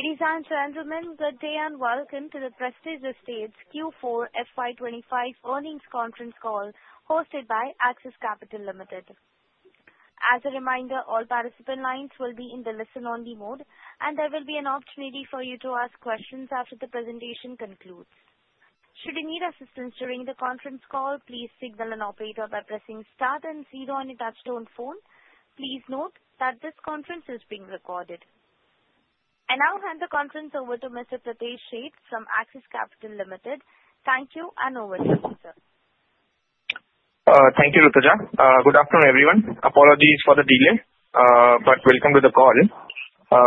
Ladies and gentlemen, good day and welcome to the Prestige Estates Q4 FY25 earnings conference call hosted by Axis Capital Limited. As a reminder, all participant lines will be in the listen-only mode, and there will be an opportunity for you to ask questions after the presentation concludes. Should you need assistance during the conference call, please signal an operator by pressing star and zero on your touch-tone phone. Please note that this conference is being recorded. And I'll hand the conference over to Mr. Pritesh Sheth from Axis Capital Limited. Thank you and over to you, sir. Thank you, Rutuja. Good afternoon, everyone. Apologies for the delay, but welcome to the call.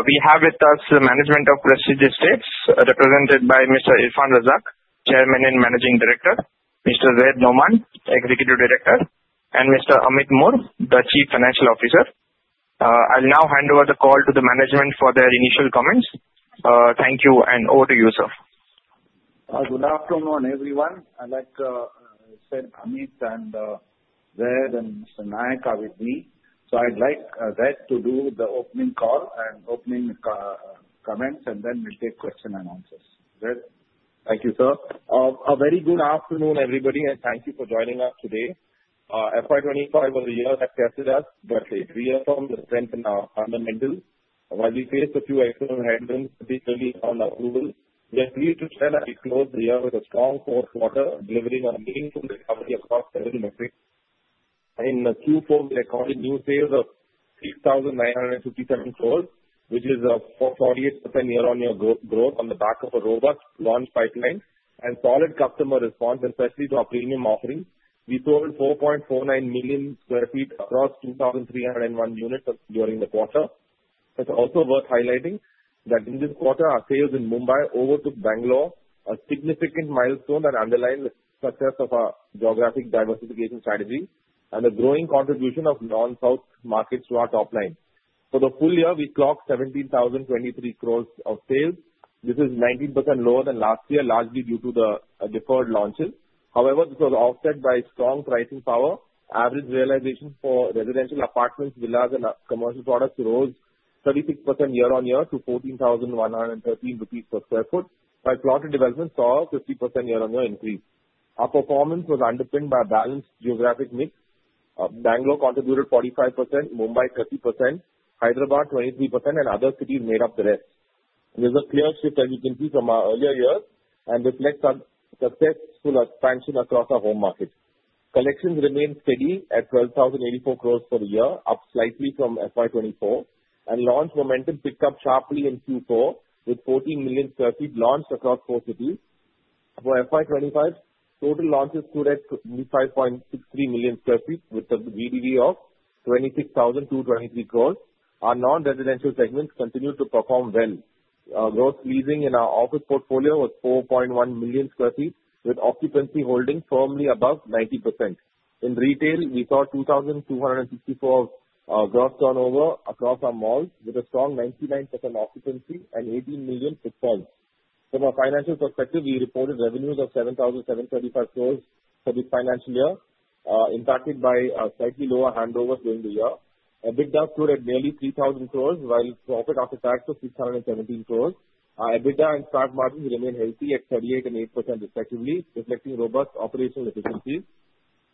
We have with us the management of Prestige Estates, represented by Mr. Irfan Razack, Chairman and Managing Director, Mr. Zaid Sadiq, Executive Director, and Mr. Amit Mor, the Chief Financial Officer. I'll now hand over the call to the management for their initial comments. Thank you, and over to you, sir. Good afternoon, everyone. And as I said, Amit and Zaid and Mr. Nayak are with me. So I'd like Zaid to do the opening call and opening comments, and then we'll take questions and answers. Zaid? Thank you, sir. A very good afternoon, everybody, and thank you for joining us today. FY25 was a year that tested us, but if we affirm the strength in our fundamentals, while we face a few external headwinds, particularly around approvals, we are pleased to tell that we closed the year with a strong fourth quarter, delivering a meaningful recovery across seven metrics. In Q4, we recorded new sales of 6,957 crores, which is a 48% year-on-year growth on the back of a robust launch pipeline and solid customer response, especially to our premium offering. We sold 4.49 million sq ft across 2,301 units during the quarter. It's also worth highlighting that in this quarter, our sales in Mumbai overtook Bangalore, a significant milestone that underlined the success of our geographic diversification strategy and the growing contribution of non-South markets to our top line. For the full year, we clocked 17,023 crores of sales. This is 19% lower than last year, largely due to the deferred launches. However, this was offset by strong pricing power. Average realization for residential apartments, villas, and commercial products rose 36% year-on-year to ₹14,113 per sq ft, while plotted developments saw a 50% year-on-year increase. Our performance was underpinned by a balanced geographic mix. Bangalore contributed 45%, Mumbai 30%, Hyderabad 23%, and other cities made up the rest. There's a clear shift, as you can see, from our earlier years and reflects our successful expansion across our home market. Collections remained steady at 12,084 crores per year, up slightly from FY24, and launch momentum picked up sharply in Q4 with 14 million sq ft launched across four cities. For FY25, total launches stood at 25.63 million sq ft with a GDV of 26,223 crores. Our non-residential segments continued to perform well. Gross leasing in our office portfolio was 4.1 million sq ft, with occupancy holding firmly above 90%. In retail, we saw 2,264 crores of gross turnover across our malls with a strong 99% occupancy and 18 million sq ft. From a financial perspective, we reported revenues of 7,735 crores for this financial year, impacted by slightly lower handovers during the year. EBITDA stood at nearly 3,000 crores, while profit after tax was 617 crores. Our EBITDA and PAT margins remained healthy at 38% and 8% respectively, reflecting robust operational efficiencies.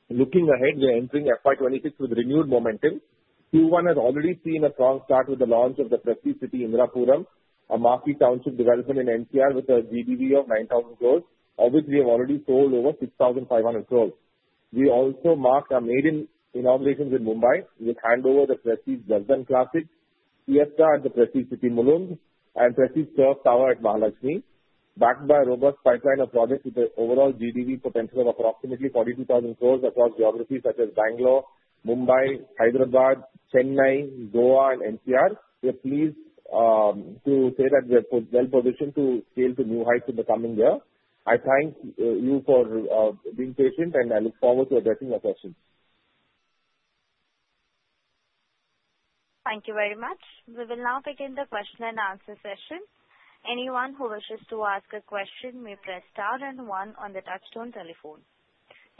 Looking ahead, we're entering FY26 with renewed momentum. Q1 has already seen a strong start with the launch of the Prestige City Indirapuram, a marquee township development in NCR with a GDV of 9,000 crores, of which we have already sold over 6,500 crores. We also marked our maiden inaugurations in Mumbai with handover of the Prestige Jasdan Classic, Prestige Siesta at The Prestige City, Mulund, and Prestige Turf Tower at Mahalakshmi, backed by a robust pipeline of projects with an overall GDV potential of approximately 42,000 crores across geographies such as Bangalore, Mumbai, Hyderabad, Chennai, Goa, and NCR. We're pleased to say that we are well-positioned to scale to new heights in the coming year. I thank you for being patient, and I look forward to addressing your questions. Thank you very much. We will now begin the question and answer session. Anyone who wishes to ask a question may press star and one on the touch-tone telephone.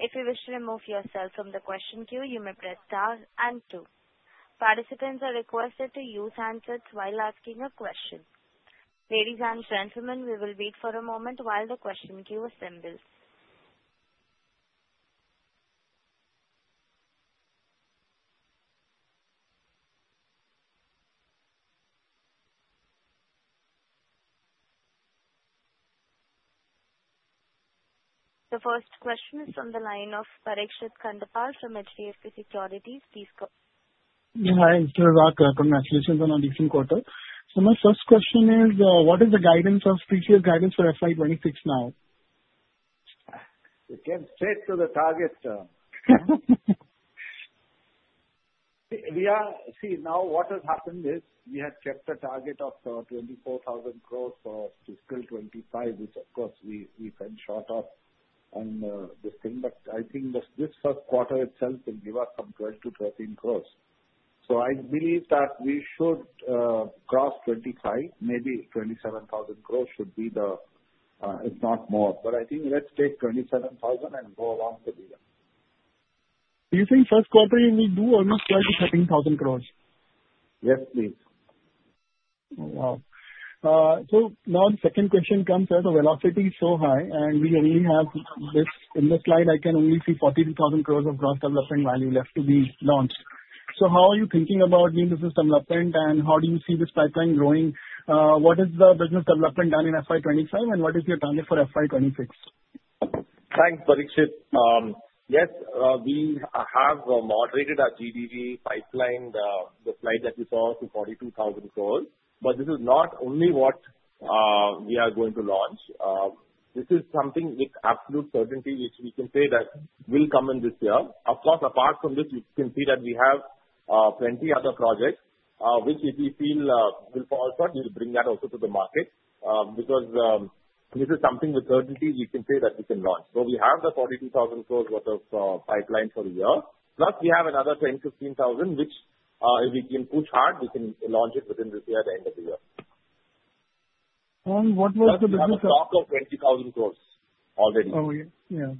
If you wish to remove yourself from the question queue, you may press star and two. Participants are requested to use handsets while asking a question. Ladies and gentlemen, we will wait for a moment while the question queue assembles. The first question is from the line of Parikshit Kandopal from HDFC Securities. Please. Hi, it's Yorvak. Congratulations on our leasing quarter. So my first question is, what is the guidance of previous guidance for FY26 now? You can say it to the target. We're seeing now what has happened is we had kept a target of 24,000 crores for fiscal 2025, which, of course, we fell short of on this thing. But I think this first quarter itself will give us some 12-13 crores. So I believe that we should cross 25. Maybe 27,000 crores should be the, if not more. But I think let's take 27,000 and go along with the year. Do you think first quarter we will do or we strike at 17,000 crores? Yes, please. Oh, wow, so now the second question comes as the velocity is so high, and we only have this in this slide, I can only see 42,000 crores of gross development value left to be launched. So how are you thinking about new business development, and how do you see this pipeline growing? What is the business development done in FY25, and what is your target for FY26? Thanks, Parikshit. Yes, we have moderated our GDV pipeline, the slide that you saw to 42,000 crores. But this is not only what we are going to launch. This is something with absolute certainty which we can say that will come in this year. Of course, apart from this, you can see that we have plenty of other projects, which if we feel will fall short, we'll bring that also to the market, because this is something with certainty we can say that we can launch. So we have the 42,000 crores worth of pipeline for the year. Plus, we have another 10,000-15,000 which, if we can push hard, we can launch it within this year at the end of the year. What was the business? We have a stock of 20,000 crores already. Oh, yeah. Yeah.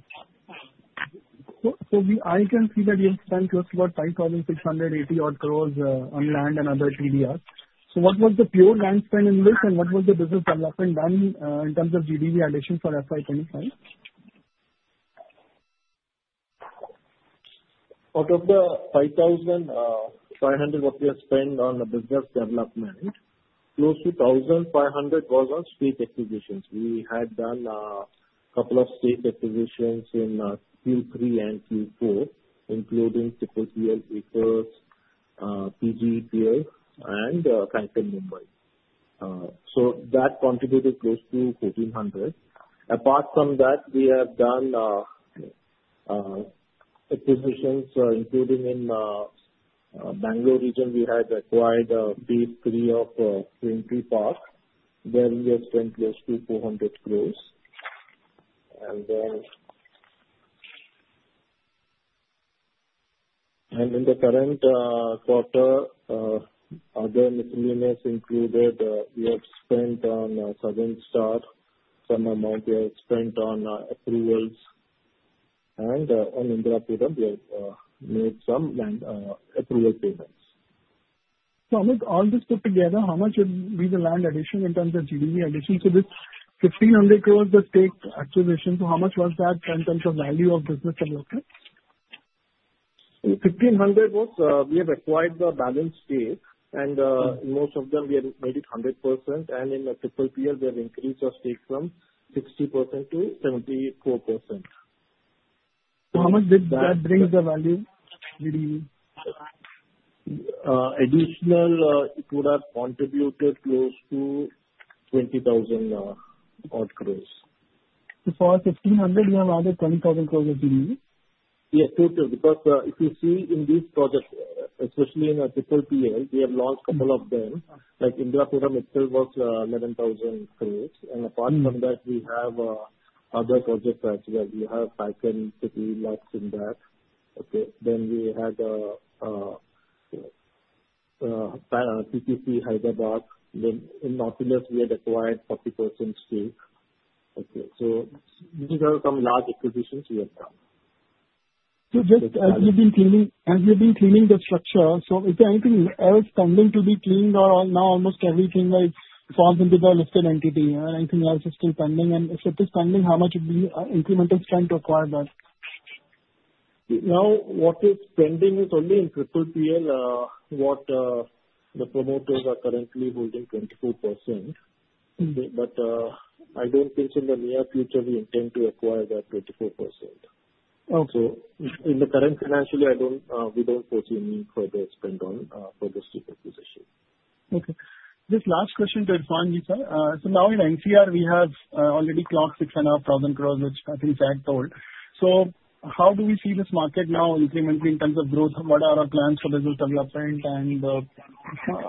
So I can see that you've spent just about 5,680 crores on land and other TDRs. So what was the pure land spend in this, and what was the business development done, in terms of GDV addition for FY25? Out of the 5,500 crore that we have spent on the business development, close to 1,500 crore was on site acquisitions. We had done a couple of site acquisitions in Q3 and Q4, including TPL Acres, PGEPL, and Konkan, Mumbai. That contributed close to 1,400 crore. Apart from that, we have done acquisitions, including in Bangalore region. We had acquired Phase 3 of Srinivasapura, where we have spent close to INR 400 crore. Then in the current quarter, other miscellaneous included, we have spent on Southern Star some amount we have spent on approvals. On Indirapuram, we have made some land approval payments. So Amit, all this put together, how much would be the land addition in terms of GDV addition? So this 1,500 crores was state acquisition. So how much was that in terms of value of business development? 1,500. We have acquired the balance stake, and most of them we have made it 100%, and in the triple-A, we have increased our stake from 60% to 74%. So how much did that bring the value? additional, it would have contributed close to 20,000-odd crores. So for 1,500, you have added 20,000 crores of GDV? Yes, totally. Because if you see in these projects, especially in the Tier III, we have launched a couple of them. Like Indirapuram itself was 11,000 crores. And apart from that, we have other projects as well. We have Konkan City, like Sindhar. Okay. Then we had PTC Hyderabad. Then in North Village, we had acquired 40% stake. Okay. So these are some large acquisitions we have done. Just as we've been cleaning the structure, is there anything else pending to be cleaned? Or now almost everything has fallen into the listed entity? Anything else is still pending? And if it is pending, how much would be the incremental spend to acquire that? Now, what is pending is only in Tier III. The promoters are currently holding 24%. Okay. But, I don't think in the near future we intend to acquire that 24%. Okay. In the current financial year, we don't foresee any further spend on the site acquisition. Okay. Just last question to inform you, sir. So now in NCR, we have already clocked 6,500 crores, which I think Zaid told. So how do we see this market now incrementally in terms of growth? What are our plans for business development? And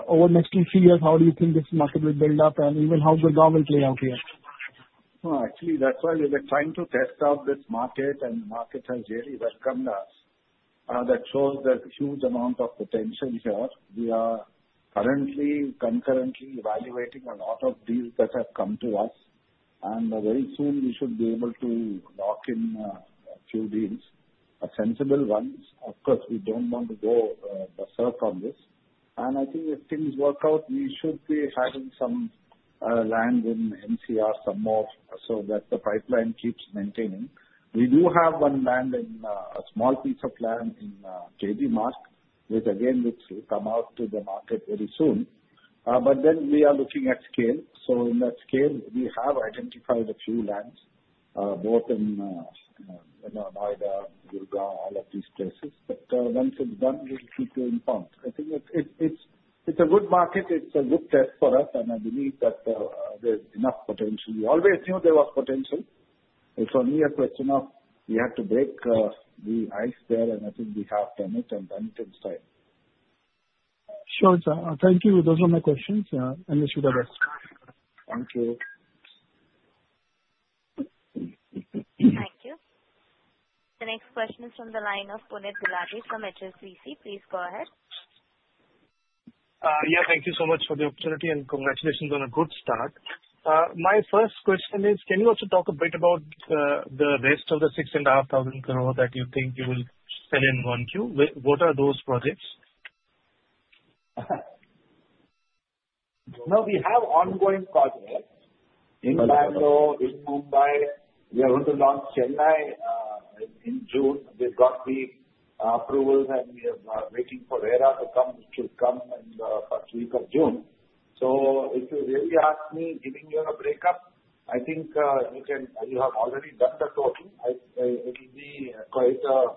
over the next few years, how do you think this market will build up? And even how Gurgaon will play out here? Actually, that's why we were trying to test out this market, and the market has really welcomed us. That shows there's a huge amount of potential here. We are currently concurrently evaluating a lot of deals that have come to us. And very soon, we should be able to lock in a few deals, sensible ones. Of course, we don't want to go berserk on this. And I think if things work out, we should be having some land in NCR, some more so that the pipeline keeps maintaining. We do have a small piece of land in Kasturba Gandhi Marg, which again will come out to the market very soon, but then we are looking at scale, so in that scale, we have identified a few lands both in, you know, Noida, Gurgaon, all of these places, but once it's done, we'll keep going forward. I think it's a good market. It's a good test for us. And I believe that there's enough potential. We always knew there was potential. It's only a question of we have to break the ice there. And I think we have done it and done it in style. Sure, sir. Thank you. Those are my questions. I wish you the best. Thank you. Thank you. The next question is from the line of Puneet Gulati from HSBC. Please go ahead. Yeah, thank you so much for the opportunity and congratulations on a good start. My first question is, can you also talk a bit about the rest of the 6,500 crores that you think you will spend in Q1? What are those projects? We have ongoing projects in Bangalore, in Mumbai. We are going to launch in Chennai in June. We've got the approvals, and we are waiting for RERA to come, which will come in the first week of June. So if you really ask me, giving you a breakup, I think you have already done the talking. It will be quite a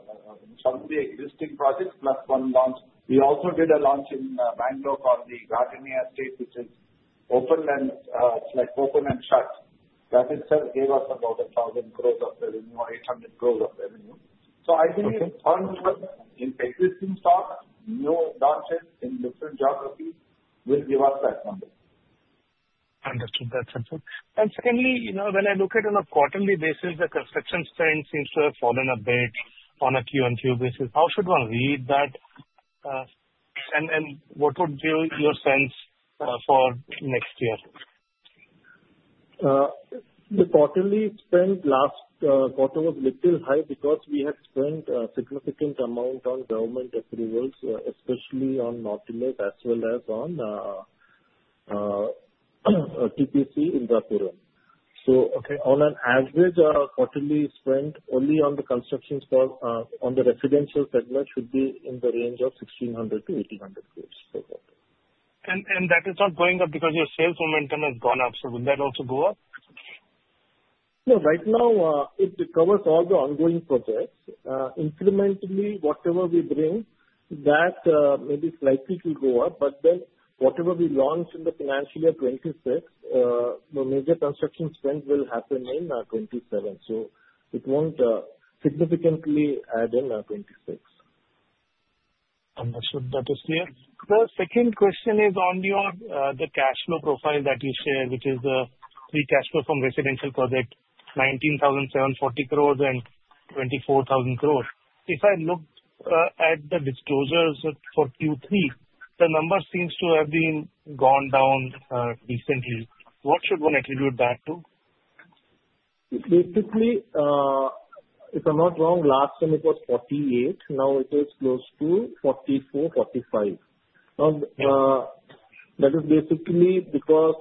sum of the existing projects plus one launch. We also did a launch in Bangalore called the Gardenia Estates, which is open and it's like open and shut. That itself gave us about 1,000 crores of revenue or 800 crores of revenue. So I believe on the existing stock, new launches in different geographies will give us that number. Understood. That's helpful. And secondly, you know, when I look at it on a quarterly basis, the construction spend seems to have fallen a bit on a Q1, Q2 basis. How should one read that, and what would be your sense for next year? The quarterly spend last quarter was a little high because we had spent a significant amount on government approvals, especially on North Village, as well as on The Prestige City Indirapuram. So. Okay. On an average, quarterly spend only on the construction spend, on the residential segment should be in the range of 1,600-1,800 crores per quarter. And that is not going up because your sales momentum has gone up. So will that also go up? No, right now, it covers all the ongoing projects. Incrementally, whatever we bring, that maybe it's likely to go up. But then whatever we launch in the financial year 2026, the major construction spend will happen in 2027. So it won't significantly add in 2026. Understood. That is clear. The second question is on your the cash flow profile that you shared, which is free cash flow from residential project, 19,740 crores and 24,000 crores. If I look at the disclosures for Q3, the number seems to have been gone down recently. What should one attribute that to? Basically, if I'm not wrong, last time it was 48. Now it is close to 44, 45. Now, that is basically because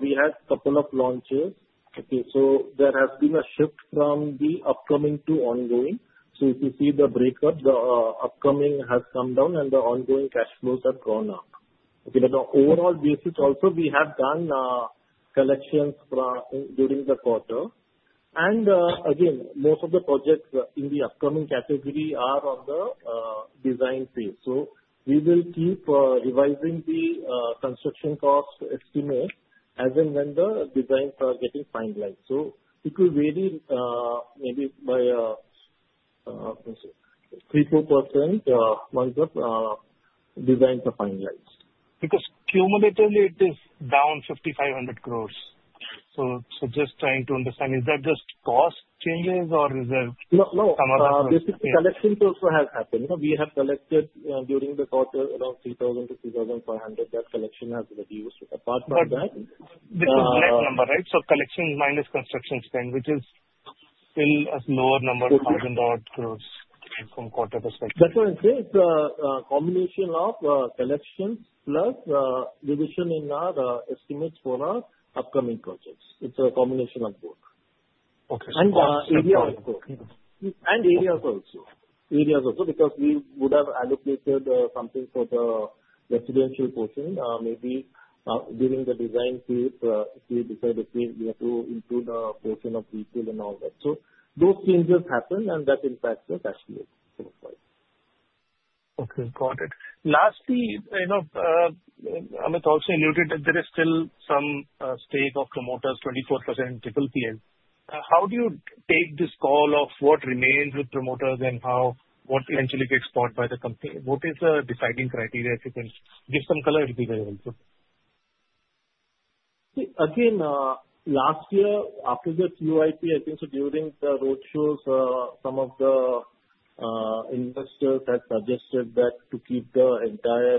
we had a couple of launches. Okay. So there has been a shift from the upcoming to ongoing. So if you see the breakup, the upcoming has come down, and the ongoing cash flows have gone up. Okay. But on overall basis, also, we have done collections during the quarter. And, again, most of the projects in the upcoming category are on the design phase. So we will keep revising the construction cost estimate as and when the designs are getting finalized. So it will vary, maybe by 3-4% month on month as designs are finalized. Because cumulatively, it is down 5,500 crores. So just trying to understand, is that just cost changes, or is there some other? No, no. Basically, collections also have happened. You know, we have collected, during the quarter around 3,000-3,500. That collection has reduced. Apart from that. But this is net number, right? So collections minus construction spend, which is still a lower number, 1,000-odd crores from quarter perspective. That's why I say it's a combination of collections plus revision in our estimates for our upcoming projects. It's a combination of both. Okay. And areas also. And. Areas also because we would have allocated something for the residential portion, maybe, during the design phase, if we decide if we need to include a portion of retail and all that. So those changes happen, and that impacts the cash flow profile. Okay. Got it. Lastly, you know, Amit also alluded that there is still some stake of promoters, 24% triple tier. How do you take this call of what remains with promoters and how what eventually gets bought by the company? What is the deciding criteria if you can give some color if you are able to? See, again, last year, after the QIP, I think so during the road shows, some of the investors had suggested that to keep the entire,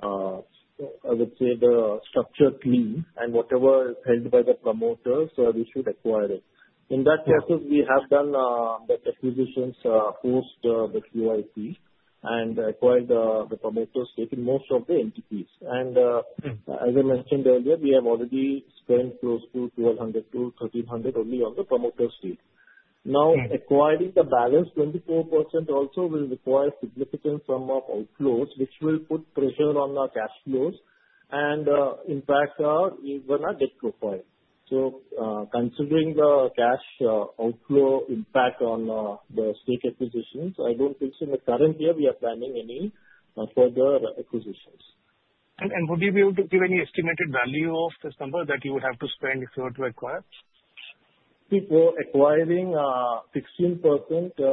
I would say the structure clean and whatever is held by the promoters, we should acquire it. In that case, we have done that acquisitions post the QIP and acquired the promoters' stake in most of the entities. And, as I mentioned earlier, we have already spent close to 1,200-1,300 only on the promoters' stake. Now, acquiring the balance 24% also will require significant sum of outflows, which will put pressure on our cash flows and impact our even our debt profile. So, considering the cash outflow impact on the stake acquisitions, I don't think so in the current year, we are planning any further acquisitions. Would you be able to give any estimated value of this number that you would have to spend if you were to acquire? See, for acquiring 16%,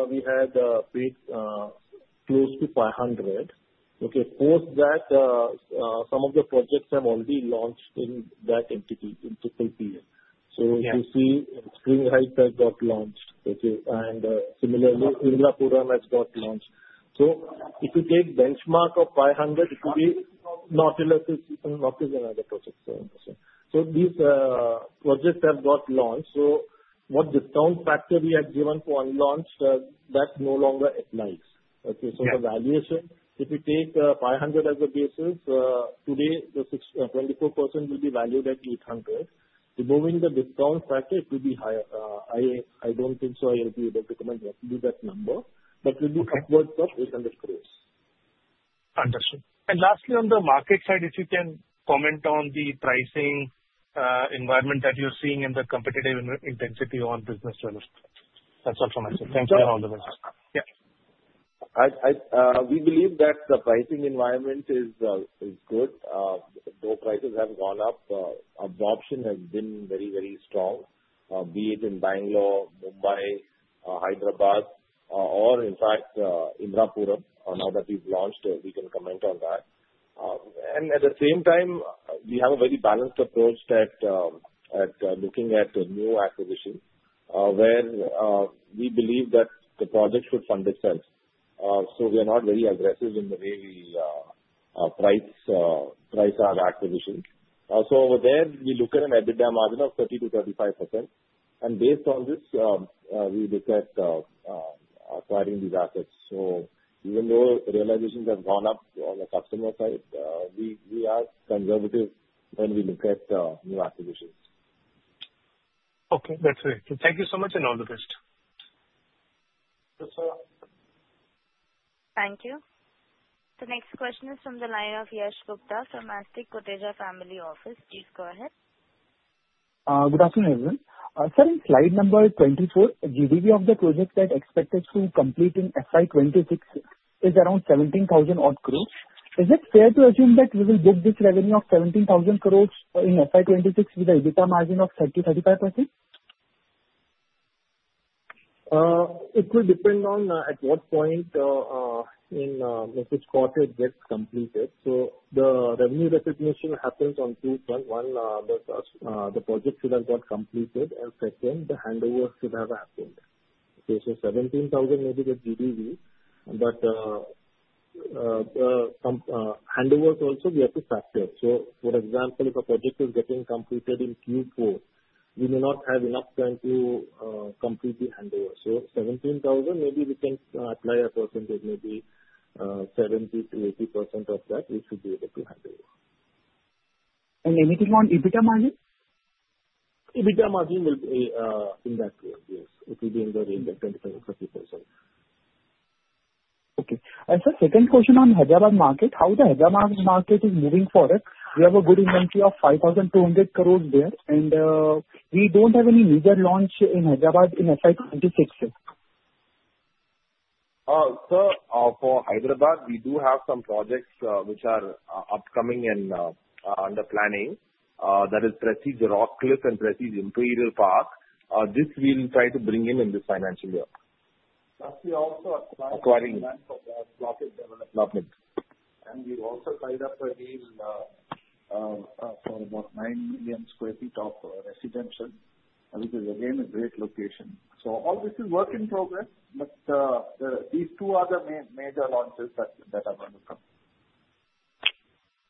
we had paid close to 500. Okay. Post that, some of the projects have already launched in that entity in triple tier. So if you see, Spring Heights has got launched, okay, and similarly, Indirapuram has got launched. So if you take benchmark of 500, it will be North Village and other projects. So these projects have got launched. So what discount factor we had given for unlaunched, that no longer applies. Okay. So the valuation, if you take 500 as a basis, today the 62.4% will be valued at 800. Removing the discount factor, it will be higher. I don't think so I will be able to comment on that number, but it will be upwards of 800 crores. Understood. And lastly, on the market side, if you can comment on the pricing environment that you're seeing and the competitive intensity on business development? That's all from my side. Thank you for all the questions. Yeah. We believe that the pricing environment is good. Though prices have gone up, absorption has been very strong, be it in Bangalore, Mumbai, Hyderabad, or in fact, Indirapuram. Now that we've launched, we can comment on that. At the same time, we have a very balanced approach, looking at the new acquisition, where we believe that the project should fund itself. We are not very aggressive in the way we price our acquisition. Over there, we look at an EBITDA margin of 30%-35%. Based on this, we look at acquiring these assets. Even though realizations have gone up on the customer side, we are conservative when we look at new acquisitions. Okay. That's great. So thank you so much and all the best. Yes, sir. Thank you. The next question is from the line of Yash Gupta from Astic Gurteja Family Office. Please go ahead. Good afternoon, everyone. Sir, in slide number 24, GDV of the project that expected to complete in FY 2026 is around 17,000 odd crores. Is it fair to assume that we will book this revenue of 17,000 crores in FY 2026 with an EBITDA margin of 30%-35%? It will depend on at what point in this quarter gets completed. So the revenue recognition happens on two fronts. One, the project should have got completed. And second, the handovers should have happened. Okay. So 17,000 maybe the GDV, but the handovers also we have to factor. So for example, if a project is getting completed in Q4, we may not have enough time to complete the handover. So 17,000 maybe we can apply a percentage, maybe 70%-80% of that we should be able to handle. Anything on EBITDA margin? EBITDA margin will be in that range. Yes. It will be in the range of 25%-30%. Okay. And, sir, second question on Hyderabad market, how the Hyderabad market is moving forward? We have a good inventory of 5,200 crores there. And, we don't have any major launch in Hyderabad in FY 26 yet. Sir, for Hyderabad, we do have some projects, which are upcoming and under planning, that is Prestige Rock Cliff and Prestige Imperial Park. This we'll try to bring in in this financial year. Actually, also acquiring. Acquiring. Acquiring the block is developed. Development. And we've also tied up a deal for about nine million sq ft of residential, which is again a great location. So all this is work in progress, but these two are the major launches that are going to come.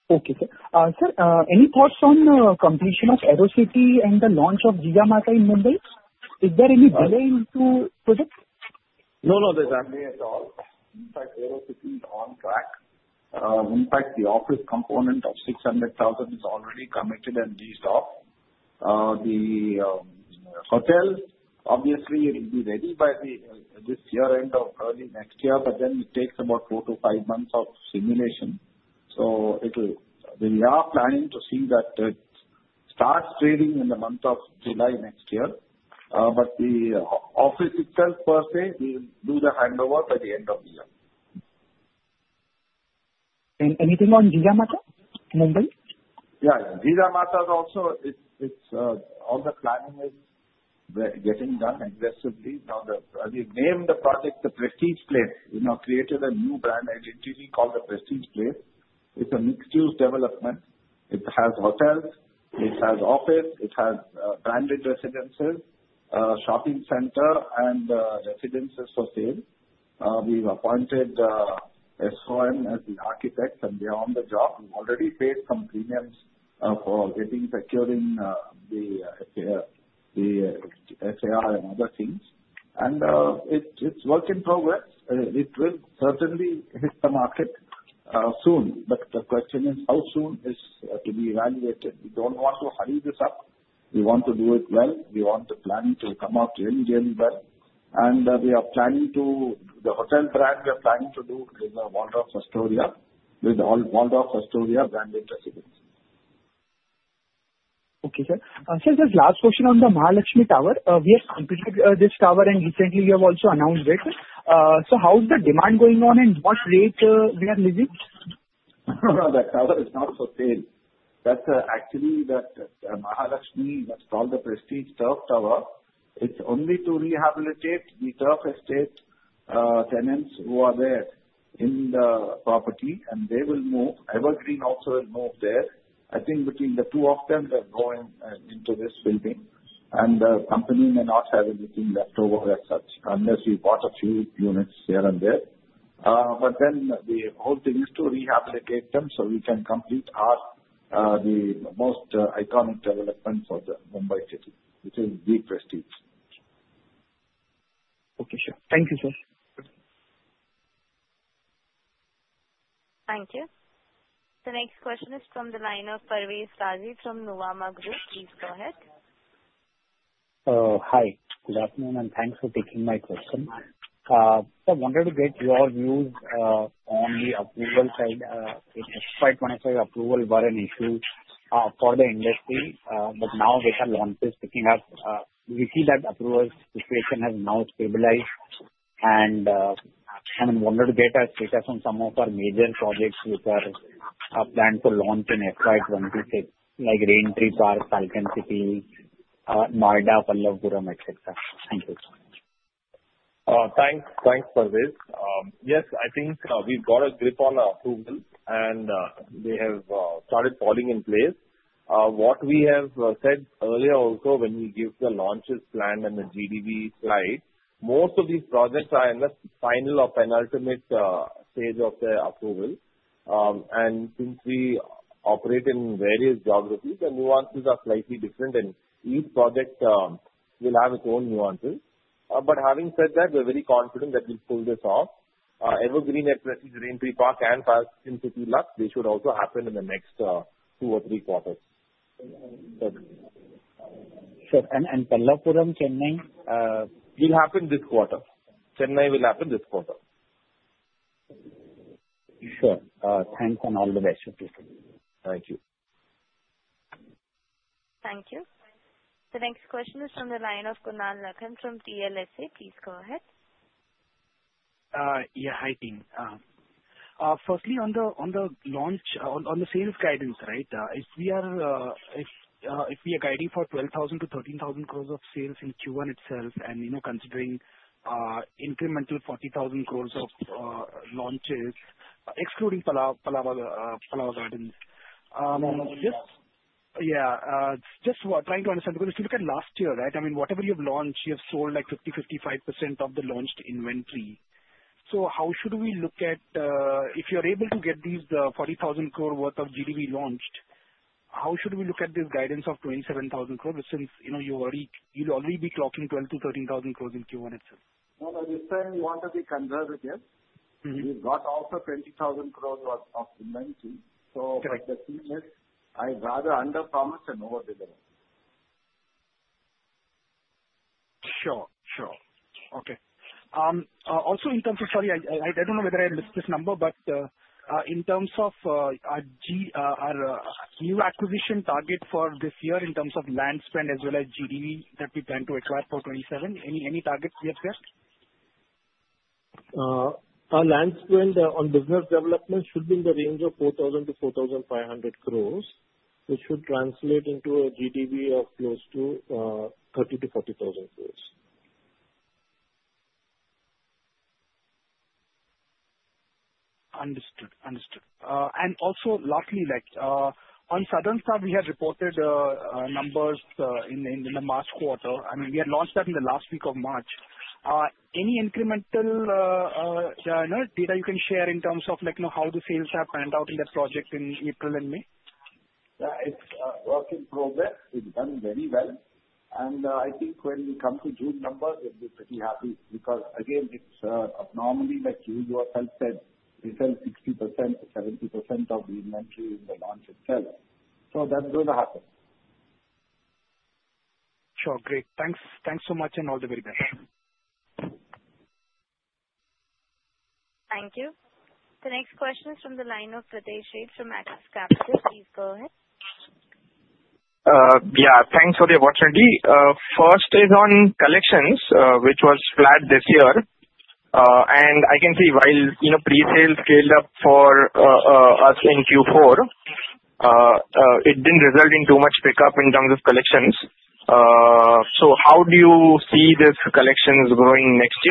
Okay, sir. Any thoughts on the completion of Aerocity and the launch of Jijamata in Mumbai? Is there any delay in two projects? No, no, there's no delay at all. In fact, Aerocity is on track. In fact, the office component of 600,000 is already committed and leased off. The hotel, obviously, it will be ready by the end of this year or early next year, but then it takes about four to five months of stabilization. So we are planning to see that it starts trading in the month of July next year. But the office itself, per se, we'll do the handover by the end of the year. Anything on Jijamata Mumbai? Yeah. Jijamata is also it's all the planning is getting done aggressively. Now, we've named the project the Prestige Place. We now created a new brand identity called the Prestige Place. It's a mixed-use development. It has hotels. It has office. It has branded residences, shopping center, and residences for sale. We've appointed SOM as the architects, and they're on the job. We've already paid some premiums for getting secure in the SRA and other things. And it's work in progress. It will certainly hit the market soon. But the question is, how soon is to be evaluated. We don't want to hurry this up. We want to do it well. We want the planning to come out really, really well. And the hotel brand we are planning to do is Waldorf Astoria with all Waldorf Astoria branded residences. Okay, sir. Sir, just last question on the Prestige Turf Tower. We have completed this tower, and recently you have also announced it. So how's the demand going on, and what rate we are missing? No, no, that tower is not for sale. That's actually that Mahalakshmi. That's called the Prestige Turf Tower. It's only to rehabilitate the Turf Estate tenants who are there in the property, and they will move. Evergreen also will move there. I think between the two of them, they're going into this building. And the company may not have anything left over as such, unless we bought a few units here and there. But then the whole thing is to rehabilitate them so we can complete our the most iconic development for the Mumbai city, which is the Prestige. Okay, sir. Thank you, sir. Thank you. The next question is from the line of Parvez Qazi from Nuvama Group. Please go ahead. Hi. Good afternoon, and thanks for taking my question, so I wanted to get your views on the approval side. In FY 25, approvals were an issue for the industry, but now with our launches picking up, we see that approval situation has now stabilized, and I've wanted to get a status on some of our major projects which are planned to launch in FY 26, like Raintree Park, Falcon City, Noida, Pallavaram, etc. Thank you. Thanks. Thanks, Prateesh. Yes, I think we've got a grip on approval, and they have started falling in place. What we have said earlier also when we give the launches plan and the GDV slide, most of these projects are in the final or penultimate stage of their approval. Since we operate in various geographies, the nuances are slightly different, and each project will have its own nuances. Having said that, we're very confident that we'll pull this off. Evergreen at Prestige Raintree Park and Falcon City Luxe, they should also happen in the next two or three quarters. Sure. Pallavaram, Chennai, will happen this quarter. Chennai will happen this quarter. Sure. Thanks and all the best. Thank you. Thank you. The next question is from the line of Kunal Lakhan from CLSA. Please go ahead. Yeah, hi, team. Firstly, on the launch, on the sales guidance, right, if we are guiding for 12,000-13,000 crores of sales in Q1 itself and, you know, considering incremental 40,000 crores of launches, excluding Pallava Gardens, Yeah. Just trying to understand because if you look at last year, right, I mean, whatever you've launched, you've sold like 50-55% of the launched inventory. So how should we look at, if you're able to get these 40,000 crore worth of GDV launched, how should we look at this guidance of 27,000 crores since, you know, you already be clocking 12,000-13,000 crores in Q1 itself? No, no, this time we want to be conservative. Mm-hmm. We've got also 20,000 crores of inventory. Okay. So the thing is, I'd rather under-promise than over-deliver. Sure, sure. Okay. Also in terms of, sorry, I don't know whether I missed this number, but in terms of our GDV, our new acquisition target for this year in terms of land spend as well as GDV that we plan to acquire for 2027, any targets we have there? Our land spend on business development should be in the range of 4,000 crore-4,500 crore, which should translate into a GDV of close to 30,000 crore-40,000 crore. Understood, understood, and also lastly, like, on Southern Star, we had reported numbers in the March quarter. I mean, we had launched that in the last week of March. Any incremental, you know, data you can share in terms of, like, you know, how the sales have panned out in that project in April and May? Yeah, it's work in progress. It's done very well. And I think when we come to June numbers, we'll be pretty happy because again, it's abnormally, like you yourself said, we sell 60%-70% of the inventory in the launch itself. So that's going to happen. Sure. Great. Thanks. Thanks so much and all the very best. Thank you. The next question is from the line of Pritesh Sheth from Axis Capital. Please go ahead. Yeah. Thanks for the opportunity. First is on collections, which was flat this year, and I can see while, you know, presales scaled up for us in Q4, it didn't result in too much pickup in terms of collections, so how do you see this collections growing next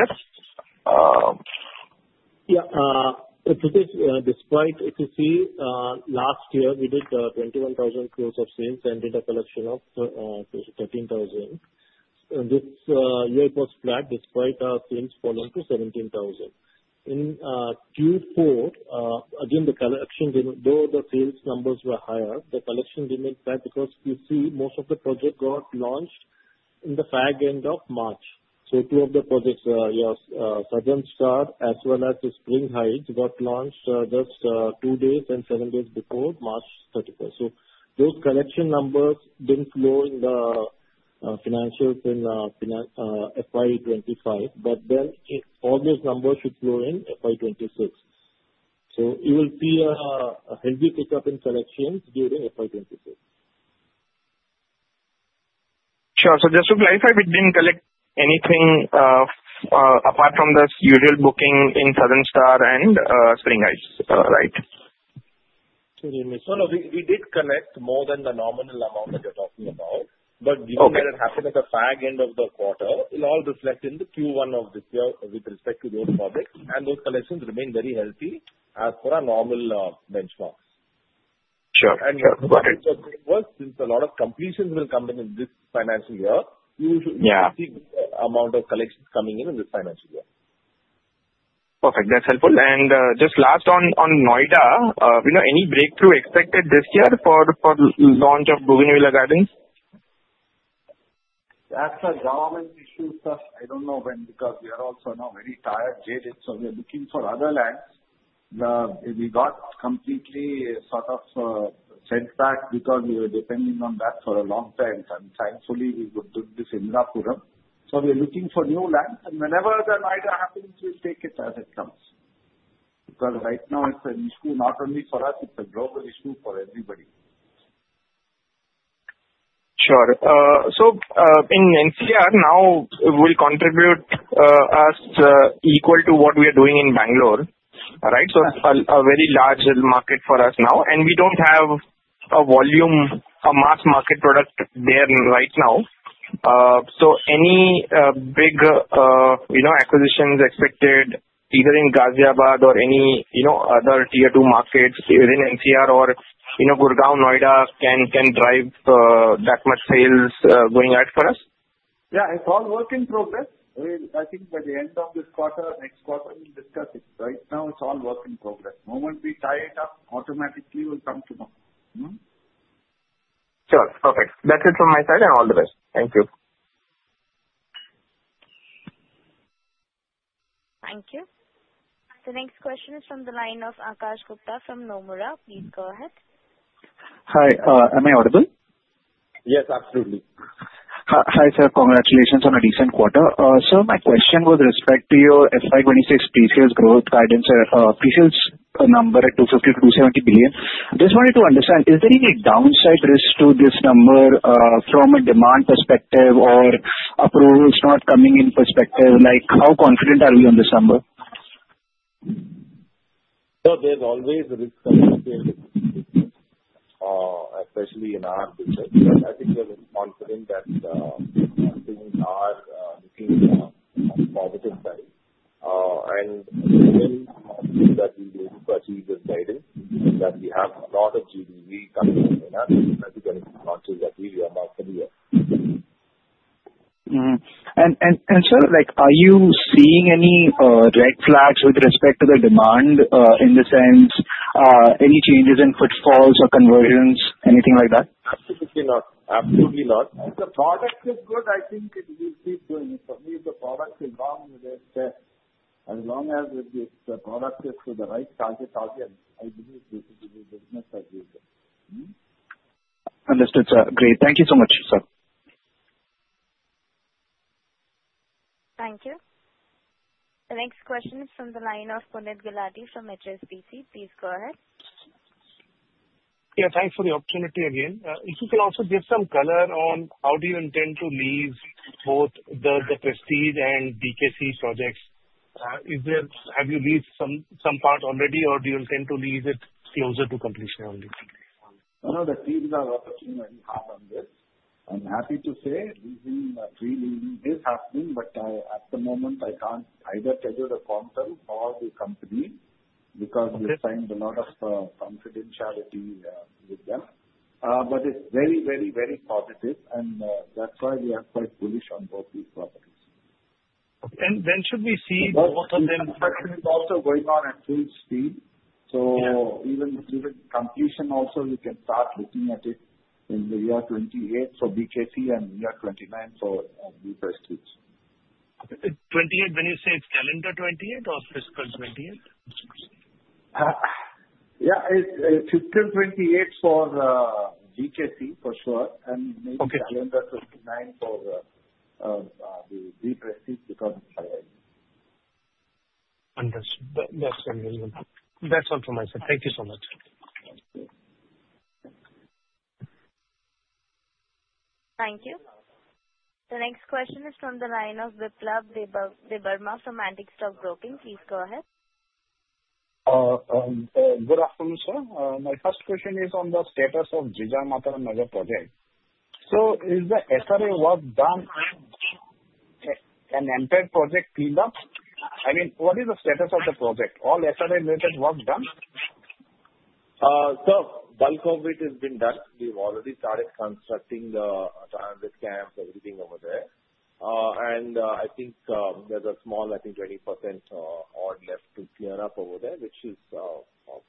year? Yeah. It is, despite if you see, last year we did 21,000 crores of sales and did a collection of 13,000 crores. And this year was flat despite sales falling to 17,000 crores. In Q4, again, the collection demand, though the sales numbers were higher, the collection demand flat because you see most of the projects got launched in the fag end of March. So two of the projects, our Southern Star as well as the Spring Heights got launched just two days and seven days before March 31st. So those collection numbers didn't flow in the financials in FY 25, but then all those numbers should flow in FY 26. So it will be a heavy pickup in collections during FY 26. Sure. So just to clarify, we didn't collect anything, apart from the usual booking in Southern Star and Spring Heights, right? No, no, we did collect more than the nominal amount that you're talking about. But, you know. Okay. What happened at the fag end of the quarter will all reflect in the Q1 of this year with respect to those projects, and those collections remain very healthy as per our normal benchmarks. Sure. And. And. Yeah, go ahead. So it works since a lot of completions will come in in this financial year. You should. Yeah. See the amount of collections coming in this financial year. Perfect. That's helpful. And just last on Noida, you know, any breakthrough expected this year for launch of Bougainvillea Gardens? That's a government issue, sir. I don't know when because we are also now very tired, jaded. So we are looking for other lands. We got completely sort of set back because we were depending on that for a long time. And thankfully, we would do this in Indirapuram. So we are looking for new lands. And whenever the Noida happens, we'll take it as it comes because right now it's an issue not only for us, it's a global issue for everybody. Sure, so in NCR now we'll contribute as equal to what we are doing in Bangalore, right? Yes. So a very large market for us now. And we don't have a volume, a mass market product there right now. So any big, you know, acquisitions expected either in Ghaziabad or any, you know, other tier two markets within NCR or, you know, Gurgaon, Noida can drive that much sales going ahead for us? Yeah, it's all work in progress. I mean, I think by the end of this quarter, next quarter, we'll discuss it. Right now, it's all work in progress. The moment we tie it up, automatically we'll come to know. Sure. Perfect. That's it from my side and all the best. Thank you. Thank you. The next question is from the line of Akash Gupta from Nomura. Please go ahead. Hi, am I audible? Yes, absolutely. Hi, sir. Congratulations on a decent quarter. Sir, my question with respect to your FY 26 presales growth guidance or presales number at 250 billion-270 billion. Just wanted to understand, is there any downside risk to this number, from a demand perspective or approvals not coming in perspective? Like, how confident are we on this number? There's always a risk of confusion, especially in our business, but I think we're confident that things are looking positive side, and we're still confident that we'll be able to achieve this guidance and that we have a lot of GDV coming in, and I think any launches that we are now familiar with. Mm-hmm. And sir, like, are you seeing any red flags with respect to the demand, in the sense, any changes in footfalls or conversions, anything like that? Absolutely not. Absolutely not. If the product is good, I think it will keep doing. For me, if the product is wrong, then as long as the product is to the right target audience, I believe this will be business as usual. Understood, sir. Great. Thank you so much, sir. Thank you. The next question is from the line of Puneet Gulati from HSBC. Please go ahead. Yeah, thanks for the opportunity again. If you can also give some color on how do you intend to lease both the Prestige and BKC projects, have you leased some part already, or do you intend to lease it closer to completion only? No, no, the teams are working very hard on this. I'm happy to say leasing, pre-leasing is happening, but I, at the moment, I can't either tell you the quantum or the company because we've signed a lot of, confidentiality, with them. But it's very, very, very positive, and that's why we are quite bullish on both these properties. Okay, and then should we see both of them? Construction is also going on at full speed. Okay. Even with completion also, we can start looking at it in the year 2028 for BKC and year 2029 for, the Prestige. 2028, when you say it's calendar 2028 or fiscal 2028? Yeah, it's fiscal 2028 for BKC for sure, and maybe. Okay. Calendar 2029 for the Prestige because of higher end. Understood. That's all. That's all from my side. Thank you so much. Thank you. The next question is from the line of Biplab Debbarma from Antique Stock Broking. Please go ahead. Good afternoon, sir. My first question is on the status of Jijamata Nagar project. So is the SRA work done and entire project cleaned up? I mean, what is the status of the project? All SRA related work done? Sir, bulk of it has been done. We've already started constructing the transit camps, everything over there. I think there's a small 20% odd left to clear up over there, which is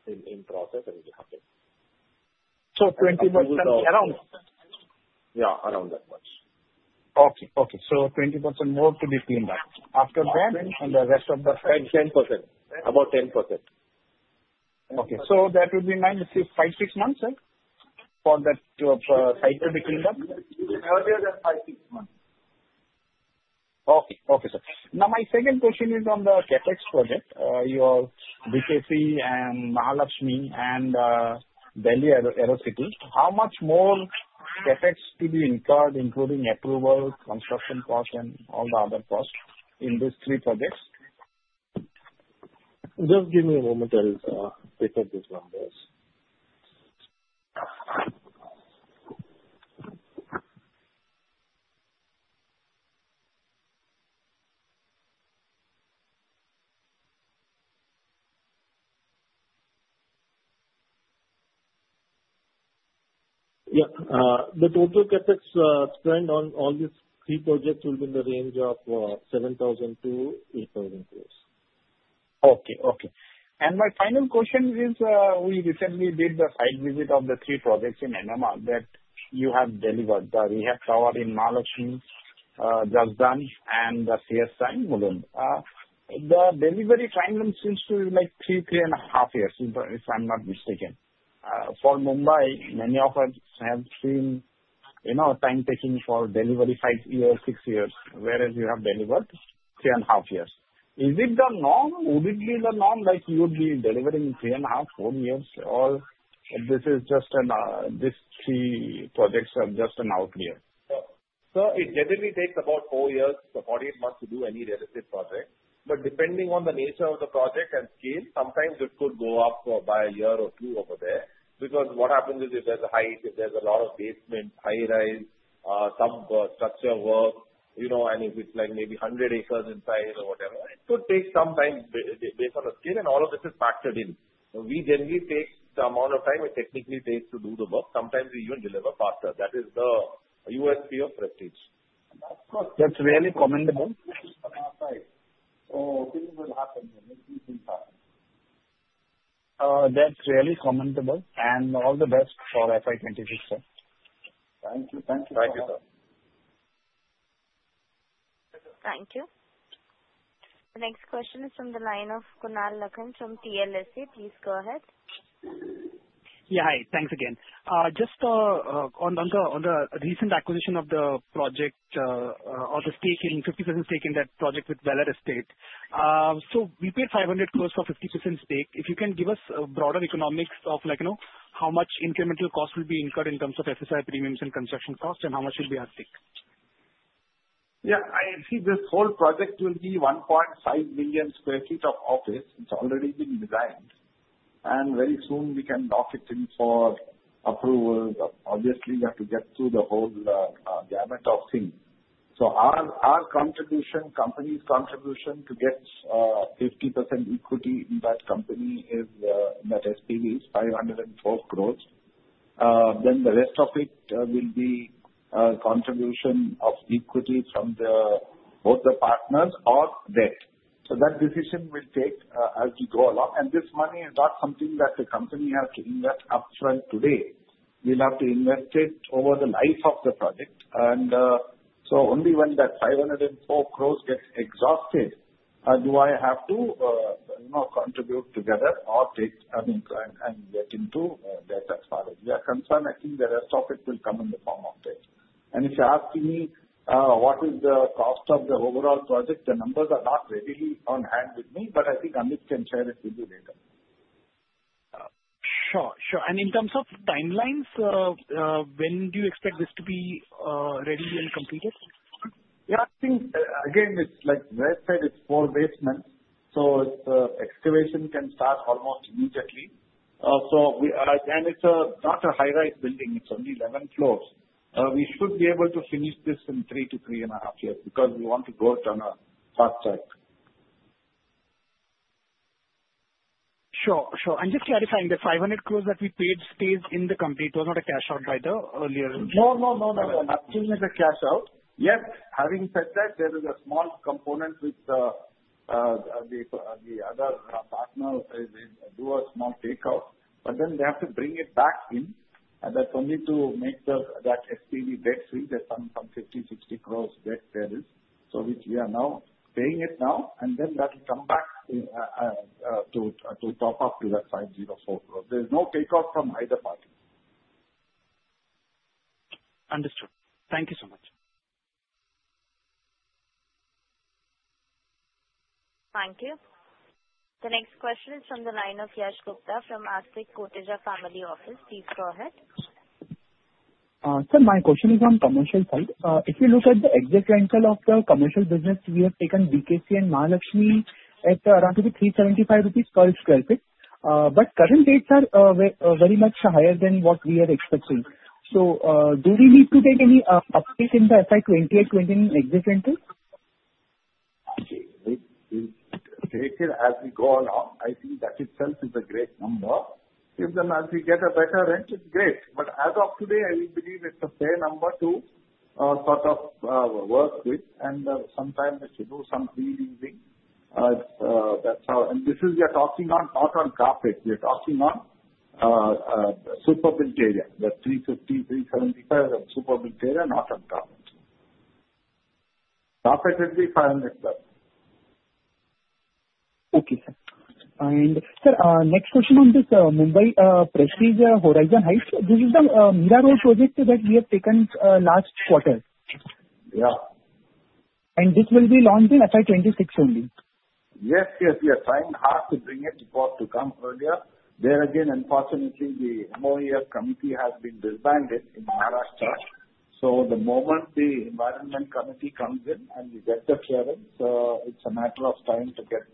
in process and will happen. So, 20% around? Yeah, around that much. Okay, okay. So 20% more to be cleaned up after that and the rest of the site? 10%. About 10%. Okay. So that would be minus five, six months, sir, for that site to be cleaned up? Earlier than five, six months. Okay, okay, sir. Now, my second question is on the next project, your BKC and Mahalakshmi and Delhi Aerocity. How much more CapEx to be incurred, including approval, construction cost, and all the other costs in these three projects? Just give me a moment and, look at these numbers. Yeah, the total CapEx spend on all these three projects will be in the range of 7,000-8,000 crores. Okay, okay. And my final question is, we recently did the site visit of the three projects in MMR that you have delivered. We have covered in Mahalakshmi, Jasdan, and the Prestige City, Mulund. The delivery time seems to be like three, three and a half years, if I'm not mistaken. For Mumbai, many of us have seen, you know, time taking for delivery five years, six years, whereas you have delivered three and a half years. Is it the norm? Would it be the norm, like, you would be delivering in three and a half, four years, or this is just an, these three projects are just an outlier? Sir, it generally takes about four years, so 48 months to do any real estate project. But depending on the nature of the project and scale, sometimes it could go up by a year or two over there because what happens is if there's a height, if there's a lot of basement, high-rise, substructure work, you know, and if it's like maybe 100 acres in size or whatever, it could take some time based on the scale, and all of this is factored in. We generally take the amount of time it technically takes to do the work. Sometimes we even deliver faster. That is the USP of Prestige. That's really commendable. Thanks for the insight. So things will happen. Make these things happen. That's really commendable, and all the best for FY 26, sir. Thank you. Thank you, sir. Thank you, sir. Thank you. The next question is from the line of Kunal Lakhan from CLSA. Please go ahead. Yeah, hi. Thanks again. Just on the recent acquisition of the project, or the 50% stake in that project with Valdel Xtent. So we paid 500 crores for 50% stake. If you can give us a broader economics of, like, you know, how much incremental cost will be incurred in terms of FSI premiums and construction costs, and how much will be at stake? Yeah, I see this whole project will be 1.5 million sq ft of office. It's already been designed. And very soon we can lock it in for approval. Obviously, we have to get through the whole gamut of things. So our company's contribution to get 50% equity in that company is that SPV is 504 crores. Then the rest of it will be contribution of equity from both the partners or debt. So that decision will take as we go along. And this money is not something that the company has to invest upfront today. We'll have to invest it over the life of the project. And so only when that 504 crores gets exhausted, do I have to you know contribute together or take an increment and get into debt as far as we are concerned. I think the rest of it will come in the form of debt, and if you're asking me what is the cost of the overall project, the numbers are not readily on hand with me, but I think Amit can share it with you later. Sure, sure. And in terms of timelines, when do you expect this to be ready and completed? Yeah, I think, again, it's like I said, it's four basements. So, it's excavation can start almost immediately. So, we, and it's not a high-rise building. It's only 11 floors. We should be able to finish this in three to three and a half years because we want to do it on a fast track. Sure, sure. And just clarifying, the 500 crores that we paid stays in the company? It was not a cash-out by the earlier? No, no, no, no. It's not a cash-out. Yes, having said that, there is a small component with the other partner is to do a small takeout. But then they have to bring it back in. And that's only to make that SPV debt free. There's some 50-60 crores debt there is. So which we are now paying it now, and then that will come back to top up to that 504 crores. There's no takeout from either party. Understood. Thank you so much. Thank you. The next question is from the line of Yash Gupta from Kotak Family Office. Please go ahead. Sir, my question is on the commercial side. If you look at the exit rental of the commercial business, we have taken BKC and Mahalakshmi at around, I think, 375 rupees per sq ft. But current rates are very much higher than what we are expecting. So, do we need to take any uptick in the FY 2028, 2029 exit rental? Okay. It is as we go along. I think that itself is a great number. If the month we get a better rent, it's great. But as of today, I believe it's a fair number to, sort of, work with. And sometimes we should do some pre-leasing. That's how. And this is, we are talking on not on carpet. We are talking on super built area. That's 350-375 super built area, not on carpet. Carpet will be INR 500 crores. Okay, sir. Sir, next question on this: Mumbai, Prestige Horizon Heights. This is the Mira Road project that we have taken last quarter. Yeah. This will be launched in FY 26 only? Yes, yes, yes. Time has to bring it for it to come earlier. There again, unfortunately, the MOEF committee has been disbanded in Maharashtra. So the moment the Environment Committee comes in and we get the clearance, it's a matter of time to get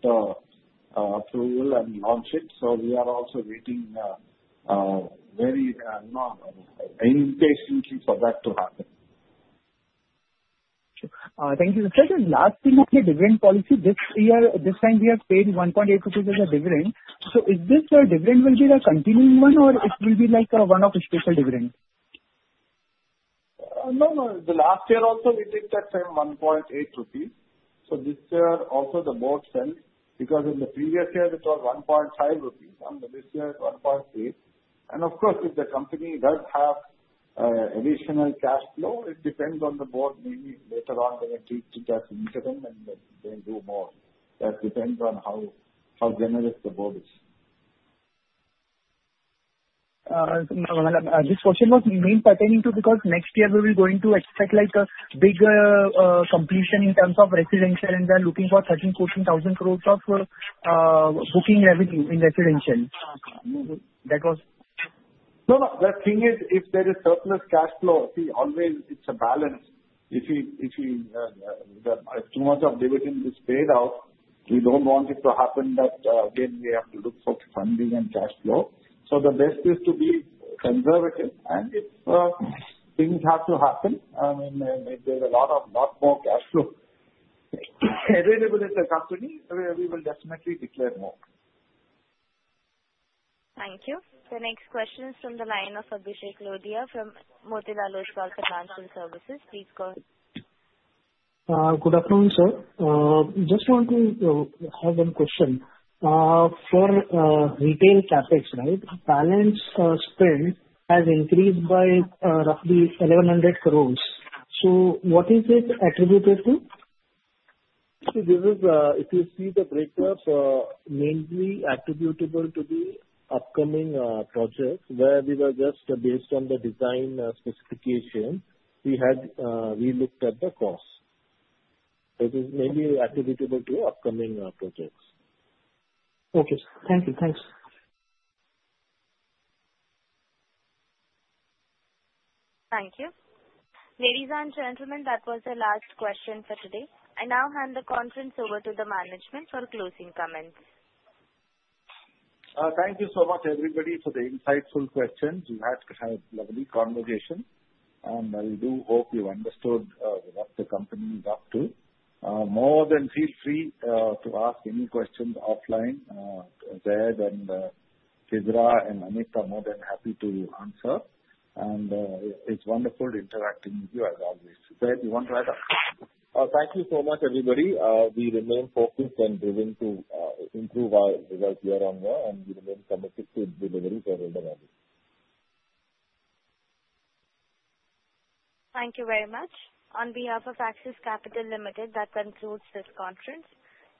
approval and launch it. So we are also waiting very, you know, impatiently for that to happen. Sure. Thank you. Sir, the last thing on the dividend policy, this year, this time we have paid 1.8 rupees as a dividend. So is this dividend will be the continuing one, or it will be like a one-off special dividend? No, no. The last year also we did that same 1.8 rupees. So this year also the board felt because in the previous year it was 1.5 rupees, and this year it's 1.8. And of course, if the company does have additional cash flow, it depends on the board. Maybe later on they will tweak it as needed and then do more. That depends on how generous the board is. No, no, no. This question was mainly pertaining to because next year we will going to expect like a bigger completion in terms of residential, and they're looking for 13-14 thousand crores of booking revenue in residential. That was. No, no. The thing is, if there is surplus cash flow, see, always it's a balance. If too much of dividend is paid out, we don't want it to happen that, again, we have to look for funding and cash flow. So the best is to be conservative, and if things have to happen, I mean, if there's a lot more cash flow available as a company, we will definitely declare more. Thank you. The next question is from the line of Abhishek Lodhia from Motilal Oswal Financial Services. Please go ahead. Good afternoon, sir. Just want to have one question. For retail capex, right, balance spend has increased by roughly 1,100 crores. So what is it attributed to? See, this is, if you see the breakdown, mainly attributable to the upcoming projects where we were just based on the design specification. We looked at the cost. It is mainly attributable to upcoming projects. Okay. Thank you. Thanks. Thank you. Ladies and gentlemen, that was the last question for today. I now hand the conference over to the management for closing comments. Thank you so much, everybody, for the insightful questions. You had a lovely conversation, and I do hope you've understood what the company is up to. Feel free to ask any questions offline. Zaid and Irfan and Amit are more than happy to answer. It's wonderful interacting with you as always. Zaid, you want to add? Thank you so much, everybody. We remain focused and willing to improve our results year on year, and we remain committed to delivery for all the value. Thank you very much. On behalf of Axis Capital Limited, that concludes this conference.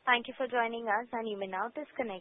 Thank you for joining us, and you may now disconnect.